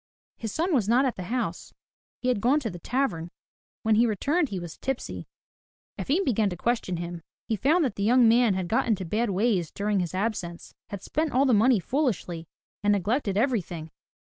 His son was not at the house. He had gone to the tavern. When he returned he was tipsy. Efim began to question him. He found that the young man had got into bad ways during his absence, had spent all the money foolishly and neglected everything.